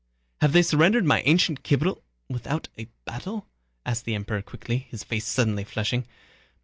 "Have they surrendered my ancient capital without a battle?" asked the Emperor quickly, his face suddenly flushing.